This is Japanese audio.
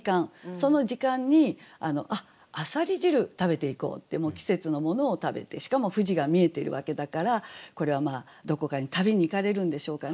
その時間に「あっ浅蜊汁食べていこう」って季節のものを食べてしかも富士が見えているわけだからこれはどこかに旅に行かれるんでしょうかね。